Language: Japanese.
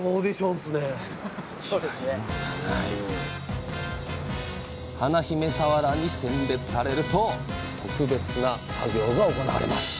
華姫さわらに選別されると特別な作業が行われます